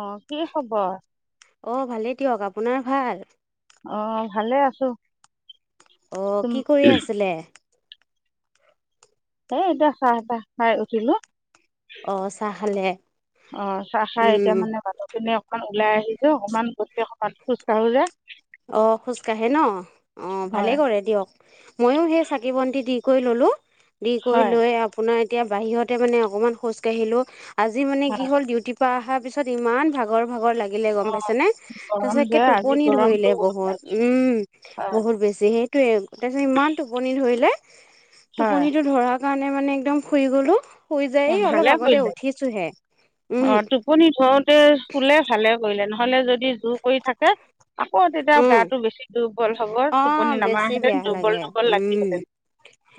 অ' কি খবৰ? অ ভালেই দিয়ক আপোনাৰ ভাল? অ', ভালে আছো। অ' তুম কি কৰি আছিলে। এ এতিয়া চাহ তাহ খাই উঠিলো। অ চাহ খালে অ' চাহ খাই উম এতিয়া মানে বাটৰ পিনে অকণ ওলাই ওলাই আহিছো অকমান অকমান খোজ কাঢ়ো যে অ' খোজ কাঢ়ে ন অ' ভালে হয় কৰে দিয়ক ময়ো সেই চাকি বন্তি দি কৈ ললো। দি কৰি হয় লৈ আপোনাক এতিয়া বাহিৰতে মানে অকমান খোজ কাঢ়িলো। আজি মানে কি হয় হ'ল ডিউটিৰ পৰা অহা তাৰ পিছত ইমান ভাগৰ ভাগৰ লাগিলে গম পাইছে নে! অ তাৰ গৰম যে পিছতে আজি টোপনি গৰমটো ধৰিলে ত বহুত পাইছো উম হয় বহুত বেছি সেইটোয়ে তাৰ পিছত ইমান টোপনি ধৰিলে হয় টোপনিতটো ধৰা কাৰণে মানে একদম শুই গ'লো শুই যাই অ অলপ ভালে আগতে কৰিলে উঠিছোহে উম অ টোপনি ভৰতে শুলে ভালে কৰিলে নহ হলে যদি জোৰ কৰি থাকে আকৌ তেতিয়া উম গাটো বেছি দুৰ্বল হব অ টোপনি নামাৰা বেছি বেয়া হেতেন দুৰ্বল লাগে দুৰ্বল উম লাগিহেতেন।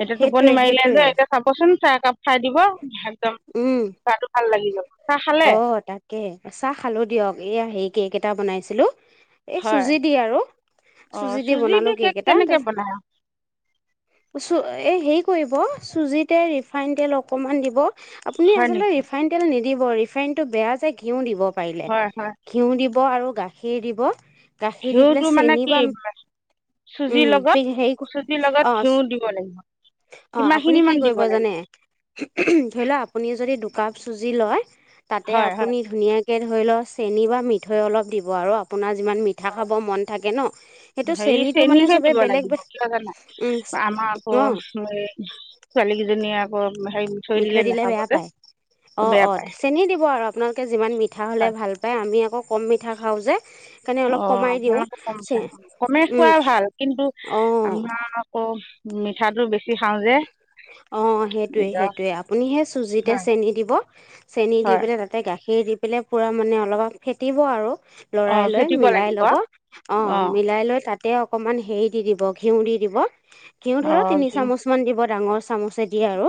এতিয়া সেইটোৱে টোপনি মাৰিলে সেইটোৱে যে এতিয়া চাবচোন চাহ একাপ খাই দিব [unintelligible] উম। গাটো ভাল লাগি যাব চাহ খালে অ তাকে চাহ খালো দিয়ক। এয়া হেই কেক এটা বনাইছিলো এই হয় চুজি দি আৰু চুজি দি বনালো কেক এটা তাৰপিছত এই হেৰি কৰিব চুজিতে ৰিফাইন তেল অকণমান দিব। আপুনি হয় আচলতে নেকি ৰিফাইন তেল নেদি দিব। ফেনটো বেয়া যে ঘিওঁ দিব। পাৰিলে হয় হয় ঘিউ দি দিব আৰু গাখীৰ দিব গাখীৰ দি পেলাই ঘিউটো মানে চেনি কি বা চুজিৰ উম লগত হেৰি চুজিৰ লগত অ ঘিউ দিব লাগিব অ কিমান আপুনি খিনি কি মান দিব কৰিব লাগিব জানে ধৰি লোৱা আপুনি যদি দুকাপ চুজি লয় তাতে হয় হয় আপুনি ধুনীয়া ধৰি লও চেনি বা মিঠৈ অলপ দিব আৰু আপোনাৰ যিমান মিঠা খাব মন থাকে ন সেইটো হেৰি চেনীটো মানে চেনিহে চবে দিব বেলেগ লাগিব কিয় জানা উম আমাৰ আকৌ অ [unintelligible] মিঠৈ দিলে বেয়া পায়? অ বেয়া অ পায় চেনী দিব আৰু আপোনালোকে যিমান মিঠা হলে হয় ভাল পায় আমি আকৌ কম মিঠা খাওঁ যে সেইকাৰণে অ অলপ কমাই দিওঁ আপোনালোকে কম খাই অ কমে খোৱা ভাল কিন্তু অঁ আমাৰ আকৌ মিঠাটো বেছি খাওঁ যে! অ সেইটোয়ে নিজৰ সেইটোয়ে আপুনি সেই চুজিতে হয় চেনি দিব। চেনি দি হয় পেলাই তাতে গাখীৰ সেই দি পেলাই পূৰা মানে অলপ ফেটিব আৰু অ লৰাই লৈ ফেটিব মিলাই লাগিব লব। অ', মিলাই লৈ তাত তাতে অকণমান হেৰি দি- দিব ঘিউ দি- দিব। ঘিউ ধৰক অঁ তিনি চামুচ মান দিব। ডাঙৰ চামুচে দিয়ে আৰু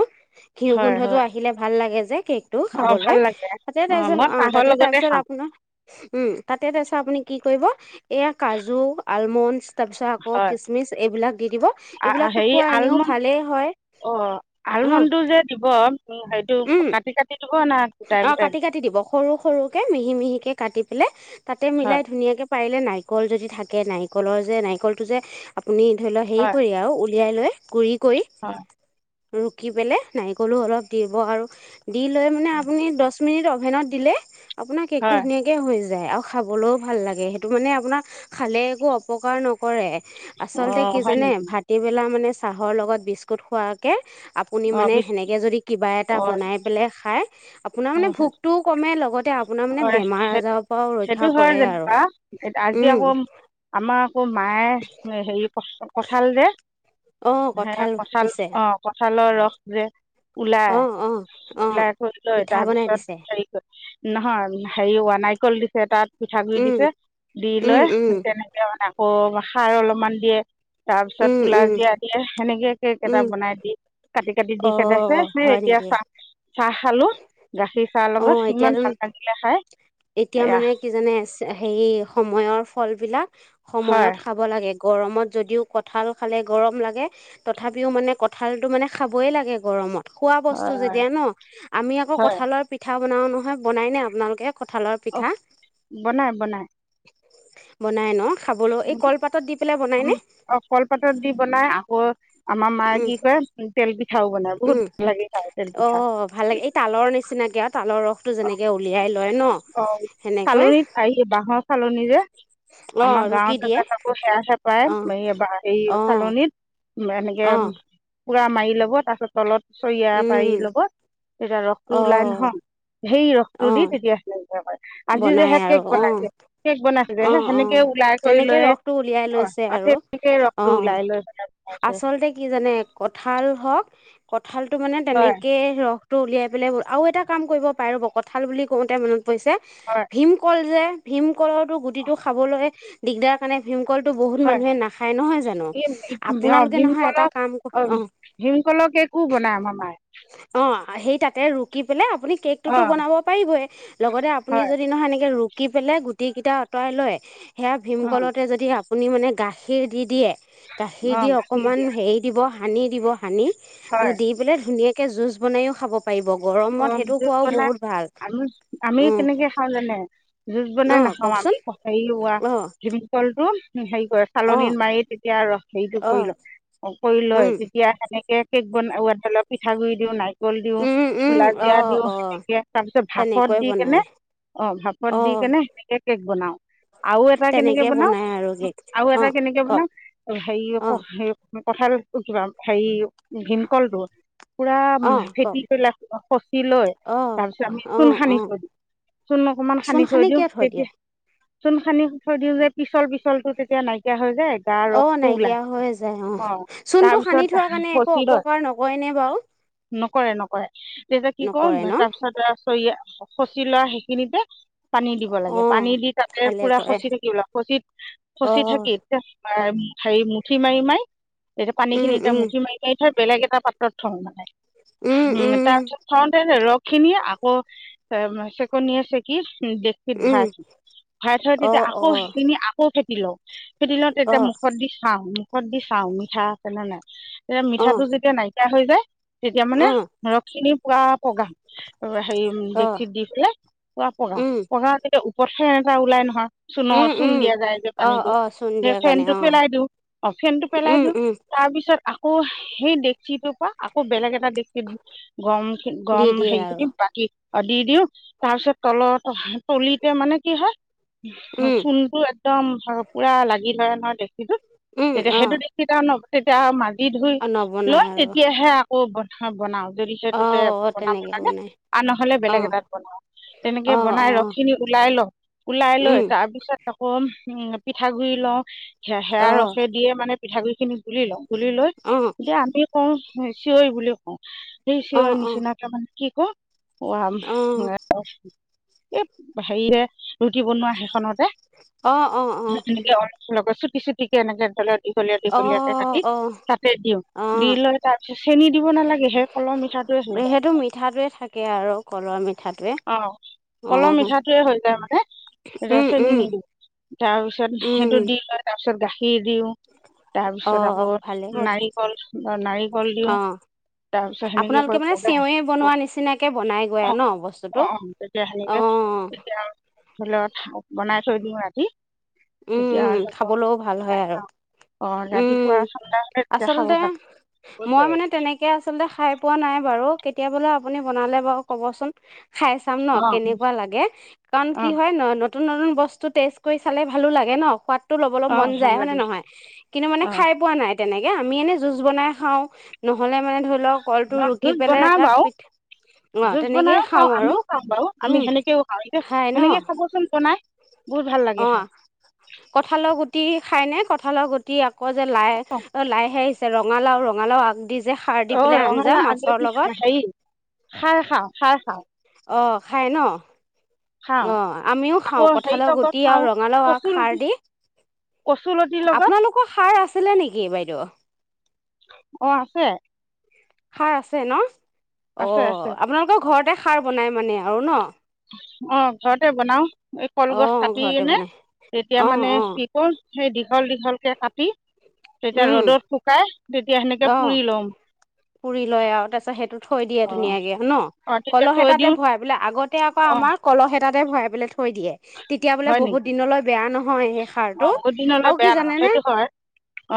ঘিউ হয় গোন্ধতটো হয় আহিলে ভাল লাগে। কেকতো খাব অঁ ভাল লাগে তাতে অঁ তাৰপছত মই অ', চাহৰ তাতে লগতে তাৰপিছত খাওঁ আপোনাৰ উ'ম তাতে তাৰপিছত আপুনি কি? কৰিব। এয়া কাজু, আলম মন। তাৰ পিছত আকৌ হয় কিচমিচ এইবিলাক দি দিব। এইবিলাকো খুৱা এনেওঁ ভালেই হয়। অ' অঁ আলমণ্ডটো যে দিব অ'। উ'ম সেইটো উম কাটি- কাটি না গোটাই অ' গোটাই কাটি- কাটি দিব সৰু -সৰুকে মিহি- মিহিকে কাটি হ'লে। তাতে হয় মিলাই ধুনীয়াকে পাৰিলে নাৰিকল যদি থাকে। নাৰিকলৰ যে নাৰিকলটো যে। আপুনি ধৰি লওঁ হেৰি হয় কৰি আৰু উলিয়াই লৈ গুড়ি কৰি হয় ৰুকি পেলাই নাৰিকলো অলপ দিব আৰু দি লৈ মানে আপুনি দচ মিনিট অভেনত দিলে। আপোনাৰ কেকতো হয় ধুনীয়াকে হৈ যায়। যায় আৰু খাবলৈওঁ ভাল লাগে সেইটো মানে। আপোনাৰ খালে একো অপকাৰ নকৰে। আচলতে অঁ কি হয় জানে নেকি ভাতিবেলা মানে চাহৰ লগত বিস্কুট খোৱাকে আপুনি অঁ মানে বিছ সেনেকৈ যদি কিবা এটা অঁ বনাই পেলাই খায়। আপোনাৰ মানে ভোকটোও ক'মে লগত হয়' সে- সেইটো হয়, কৰে আৰু যেনিবা আজি উম আকৌ আমাৰ আৰু মায়ে হেৰি কঠাল দে অ' হে কঁঠাল কঠাল দিছে অ কঠ লৰ ৰস যে। ওলাই অ' অ' অ' ওলাই থ লৈ পিঠা বনাই তাৰপিছত দিছে হেৰি কৰি নহয় হেৰি ৱানাইকলল দিছে তাত পিঠাগুডৰি উম দিছে দি উম লৈ উম তেনেকে মানে আকৌ সাৰ অলপমান দিয়ে। তাৰপিছত উম উম পোলাাজিৰা দিয়ে সেনেকে কেক এটা উম। বনাই দি কাটি কাটি অ দি খেদাইছে হয় এতিয়া নেকি? চাহ চাহ। খালো গাখীৰ চাহ অ লগত সিমান এতিয়াতো ভাল লাগিলে খাই এতিয়া এয়া মানে কি জানে হে সম সময়ৰ ফলবিলাক হয় সময়ত খাব লাগে। গৰমত যদিও কঁঠাল খালে গৰম লাগে তথাপিও মানে কঁঠালটো মানে খাবই লাগে গৰমত। খোৱা বস্তু হয় যেতিয়া ন আমি আকৌ হয় কঠাঁল পিঠা বনাও নহয় বনাই নে আপোনালোকে। কঁঠালৰ অ পিঠা? বনাই বনাই। বনাই ন। খাবলৈ এই কলপাতত দি পেলাই বনাই নে? কলপাতৰ দি বনাই, আকৌ আমাৰ মাই উম কি কৰে তেল পি উম অ ভাল লাগে এই তালৰ নিচিনাকে আৰু তালৰ ৰস অ অ সেনেকৈ চালৰিত আহি বাঁহৰ চালনী যে অ আমাৰ গাঁও ৰুকি দিয়ে জকো সেয়া চে অ প্ৰায় এইবাৰ এই অ', চালনিত। এনেকে অ', পুৰা মাৰি ল'ব তাৰ পাছ তলত চৰিয়া পাৰ উম, লগত তেতিয়া ৰস ৰুলাইন অ', হ। সেই ৰসটো দি অ', তেতিয়া সেনেকুৱা কৰে আজি যে বনাই হে আৰু কেক অ', বনাইছে কেক বনাই অ অ তেনেকে ৰসটো উলিয়াই লৈছে অ আৰু তেনেকে অ ৰসটো ওলাই লৈ পেলাই বনাইছে আচলতে কি জানে কঁঠাল হওক ক কঁঠালটো মানে হয় তেনেকৈেই ৰস উলিয়াই পেলাই আৰু এটা কাম কৰিব পাৰো কঁঠাল বুলি কওঁতে মান কৈছে হয় ভীম কল যে ভীমকলৰ টো গুটিটো খাবলৈ দিগদাৰ কাৰণে ভীমকল বহুত হয় মানুহে নাখায় নহয় জানো এই অ আপোনালোকে নহয় ভীমকলৰ এটা কাম অ ভীমকলৰ কেকো বনাই আমাৰ মায়ে অ সেই তাতে ৰুকি পেলাই আপুনি অ কেকটোতো বনাব পাৰিবই লগতে আপুনি হয় যদি নহয় এনেকৈ ৰূপ থাকি পেলে গুটিকেইটা আঁতৰাই লয় সেয়া অ ভীমকলতে যদি হাব আপুনি মানে গাখীৰ দি দিয়ে গাখীৰ অ দি গাখীৰ অকমান দিয়া হেৰি দিব সানি দিব সানি হয় দি পেলাই ধুনীয়াকে জুচ বনাইও খাব পাৰিব অ গৰমত সেইটো জুচ খোৱাও বনাই বহুত ভাল আমি আমি কেনেকে খাওঁ জানে জুচ বনাই অঁ নাখাওঁ কওকচোন আমি। সি হোৱা অঁ ডিম্পল অ হেৰি কৰে চালনী অঁ মাৰি তেতিয়া আৰু সেইটো অঁ কৰিলক কৰি লয় অঁ তেতিয়া সেনেকে কেক বনত পিঠাগ গুৰি দিও নাই কল দিওঁ কুলাজিয়া দিও অঁ সেনেকে তাৰ পিছত ভাপত তেনেকৈ দি কেনে বনায় অ ভাপত দি অঁ কেনে সেনেকে কেক বনাওঁ আৰু এটা কেনেকে তেনেকৈ বনাও বনায় আৰু কেক আৰু এটা অঁ কেনেকে কওক অঁ বনাও হেৰি কঠাল কিবা হেৰি ভীমকলটো পুৰা অঁ কওক ফেটি কৰিলা অ লৈ অঁ তাৰপিছত আমি চূণ অঁ সানি অঁ থৈ দিওঁ চূণ অকমান চূণ সানি থৈ দিওঁ কিয় দিয়ে সেইতি চূন খানি থৈ দিওঁ যে পিচল পিচল টো তেতিয়া নাইকিয়া হৈ যায় গাৰ অ' ৰসটো ওলায় নাইকিয়া হৈ যায় অ অঁ চূণটো সানি তাৰপিছত থোৱা কাৰণে একো খচি অপকাৰ নকৰে নে বাৰু। কৰে নকৰে। তেতিয়া কি ক'ম নকৰে ন ভাতাচা আছ ইয়াত অখচি লোৱা সেইখিনিতে। পানী দিব লাগে অঁ পানী দি তাতে ভালে পুৰা কৰে খচি থাকিবল খচ খচি অঁ থাকিত। উ, হেৰি মুঠি মাৰি মাৰি এতিয়া পানী উম খিনি এতিয়া উম মুঠি মাৰি মাৰি থাক। বেলেগ এটা পাত্ৰত থম মানে। উম- উম তাৰপিছত থতে ৰস। খিনিয়ে আকৌ এ চেকনিয়ে চেকি ভৰা উম আছে ভৰা থয় তেতিয়া অঁ আকৌ অঁ সেইখিনি আকৌ সে কিলো। [inaudible] তেতিয়া অঁ মুখত দি চাওঁ ত দি চাওঁ মিঠা আছে নে নাই। তেতিয়া অঁ মিঠাটো যেতিয়া নাই। [inaudible] হৈ যায় তেতিয়া মানে অঁ ধৰক পুৰাহেৰি অঁ ডেকচিত দিছিলে পুৰা পগা উম পগা ওৰতহ এটা ওলাই নহয় চূণৰ উম চূণ উম দিয়া যায় যে অঁ পানীটো অঁ চূণ যে দিয়াৰ ফেন কাৰণে টো অঁ পেলাই দিওঁ অ ফেনটো পেলাই উম দি উম তাৰ পিছত আকৌ সেই ডেকচিটোৰ পৰা। আকৌ বেলেগ এটা দেশ কি। গম খিন দি গম দিয়ে হেৰি খিনি আৰু বাকী। অ' দি দিওঁ তাৰপিছত তলত তলিতে মানে কি হয় উম চূণটো একদম পুৰা লাগি ধৰে অ' দেখিলো উম তেতিয়া সেইটো অঁ দেখি তাৰ ন' তেতিয়া দি ধুই নবনাই লয় আৰু তেতিয়াহে। অ' বনাওঁ দেৰি অঁ অঁ বনাব তেনেকে লাগে বনাই আৰু নহলে বেলেগ অঁ এটাত বনাব তেনেকে অঁ বনাই ৰস অঁ খিনি ওলাই লওঁ ওলাই লৈ উম তাৰপিছত। আকৌ উ পিঠাগুৰি লওঁ সেৰা অঁ ৰসে দিয়ে মানে পিঠাগুৰিখিনি তুলি লে তুলি লৈ অঁ এতিয়া আমি কওঁ চিঞৰি বুলি কওঁ সেই ৰ অঁ অঁ নিচিনাক মানে কি ক উ অঁ এই হেৰিৰে ৰুটি বনোৱা সেইখনত অঁ অঁ অঁ এনেকে অলপত [unintelligible] দীঘলীয়া দীঘলীয়াকে অঁ কাটি অঁ তাতে দিওঁ দি অঁ লৈ তাৰ পিছত চেনি দিব নালাগে সে কল মিঠা সেইটো মিঠটোয়ে থাকে আৰু কলোৱা মিঠা অ কলহ মিঠাটোয়ে হৈ যায় মানে ৰচনী নিদি তাৰপিছত সেইটো দি লৈ য তাৰ পিছত গাখীৰ দিওঁ তাৰপিছত অঁ আকৌ ভালেই কৰে নাৰিকল নাৰিকল দিওঁ অঁ তাৰপিছত সেনেকে আপোনালোকে কৈ মানে পগা চেৱৈ বনোৱা নিচিনাকে বনাই গৈ আৰু আহ ন অ বস্তুটো অ তেতিয়া সেনেকে অঁ তেতিয়া থলত বনাই থৈ দিওঁ ৰাতি উম তেতিয়া উম খাবলৈও ভাল হয় খাই আৰু খাওঁ। অ ৰাতিপুৱা উম ঠাণ্ডা হলে তেতিয়া খাব আচলতে ভাল মই মানে তেনেকে আচলতে খাই পোৱা নাই বাৰু কেতিয়া বোলে আপুনি বনালে বাৰু ক'বচোন খাই চাম ন অ কেনেকুৱা লাগে কাৰণ কি অ হয় ন নতুন নতুন বস্তু তেজ কৰি চালে ভা ভালো লাগে ন সোৱাদ টো ল'বলৈ অ মন ভাল যায় হয় নে লাগে নহয় কিন্তু মানে অ খাই পোৱা নাই তেনেকে আমি এনেই জুচ বনাই খাওঁ নহ'লে মানে ধৰি লওক কলটো ন ৰুকি জুজ পেলাই বনা এটা বাৰু পিঠ অ জুজ তেনেকেই বনাই খাওঁ চাওঁ আৰু আমিও খাওঁ বাৰু আমি উম সেনেকেও খাওঁ এয়া খাই ন সেনেকে খাবচোন বনাই বহুত ভাল লাগে অ খাই কঠালৰ গুটি খাই নে কঠালৰ গুটি আকৌ যে লাই লাইহে ৰঙালাও ৰঙালাও আগ দি যে খাৰ দি অ পেলাই আঞ্জা ৰঙালা আগ মাছৰ কি লগত হেৰি খাৰ খাওঁ খাৰ খাওঁ অ' খাই ন খাওঁ অ আমিও আকৌ খাও হেৰি কঠালাৰ লগত গুটি খাওঁ আৰু ৰঙালাও আ কচুলতি খাৰ দি কচুলতিৰ লগত আপোনালোকৰ সাৰ আছিলে নেকি বাইদে উ অ আছে খাৰ আছে ন অ আছে আছে আপোনালোকৰ ঘৰত তাতে সাৰ বনাই মানে আৰু ন অ ঘৰতে বনাও এই কলগছ অ' কাটি ঘৰতে কিনে বনাই তেতিয়া অ' মানে অ' কি কওঁ সেই দীঘল দীঘ ভালকে কাটি তেতিয়া উম ৰ'দত শুকাই তেত অ পুৰি লয় আও তাৰপিছত সেইটো থৈ দিয়ে অ ধুনীয়াকে ন অ তেতিয়া কলহ থৈ এটাতে দিওঁ ভৰাই বোলে আগতে আকৌ অ আমাৰ কলহ এটাত তে ভৰাই পেলাই থৈ দিয়ে তেতিয়া বোলে হয় নেকি বহুত দিনলৈ বেয়া নহয় সেই অ সাৰটো বহুত দিনলৈ আও কি বেয়া জানে নহয় নে সেইটো হয়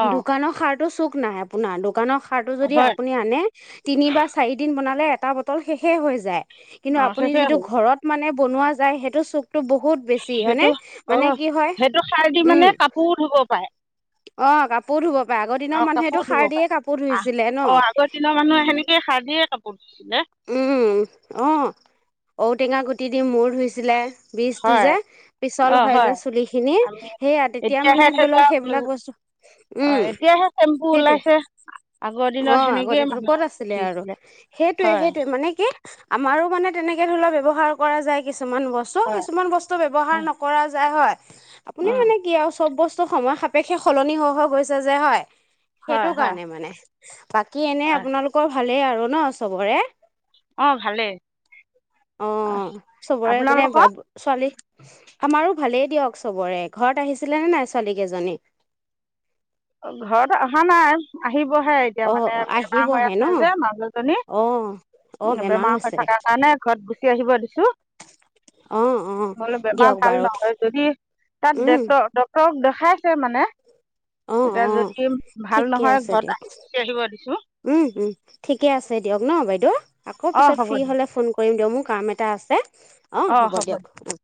অ দোকানৰ সাৰটো চুক নাই আপোনাৰ দোকানৰ সাৰটো যদি হয় আপুনি আনে তিনি বা চাৰি দিন বনালে এটা বটল শেষে হৈ যায় কিন্তু অ আপুনি শেষেই যিটো হ'ল ঘৰত মানে বনোৱা যায় সেইটো চুক সেইটো অ হয় সেইটো শাৰ দি উম মানে কাপোৰ ধুব পাৰে অ কাপোৰ ধুব পাৰে আগৰ দিনৰ অ কাপোৰ মানুহেটো ধুব সাৰ দিয়ে পাৰে কাপোৰ ধুইছিলে ন আহ অ আগৰ দিনৰ মানুহ সেনেকে সাৰ দিয়ে কাপোৰ কৰিছিল ন উম অ ঔটেঙা গুটি দি মোৰ ধুইছিলে বীজটো হয় যে পিছল হয় যে চুলি খিনি আমি সেইয়া তেতিয়া এতিয়াহে মানে ধৰি লও লওক উম, সেইবিলাক বস্তু অ উম এতিয়াহে চেম্পু সেইটোৱে ওলাইছে আগৰ অ দিনত সেনেকেই আগতে ত ক'ত মানুহে আছিলে আৰু ধুইছিলে সেইটোৱে হয় সেইটোৱে মানে কি আমাৰো মানে তেনেকে ধৰি লোৱা ব্যৱহাৰ কৰা যায় কিছু কিছুমান বস্তু হয় কিছুমান বস্তু ব্যৱহাৰ হয় নকৰা যায় হয় আপুনি অ মানে কি আৰু চব বস্তু সময় সাপেক্ষে সলনি হৈ হৈ গৈছে যে হয় হয় সেইটো হয় কাৰণে মানে উ বাকী এনে হয় আপোনালোকৰ ভালেই আৰু ন চবৰে অ ভালেই অ আহ, চবৰে মানে আপোনালোকৰ ছোৱালী আমাৰো ভালেই দিয়ক চবৰে ঘৰত আহিছিলে নে নাই ছোৱালী কেইজনী ঘৰত অহা নাই। আহিবহে, এতিয়া অ মানে বেমাৰ হৈ আহিবহে ন আছে যে, মানুহজনী অ অ বেমাৰ হৈ হৈছে থকাৰ কাৰণে ঘৰত গুচি আহিব দি। অ অ বোলে বেমাৰ দিয়ক ভাল বাৰু নহয় যদি তাত উম ডট ডক্তৰক দে খাইছে মানে অ', এতিয়া অ', যদি ভাল ঠিকে নহয় আছে ঘৰত দিয়ক, আহি গুচি আহিব দিছোঁ উম, উম, ঠিকে আছে দিয়ক ন' বাইদেউ আকৌ অঁ পিছত হ'ব ফ্ৰী হ'লে ফোন কৰিম মোৰ কাম এটা আছে। অ', হ'ব দিয়ক অ'।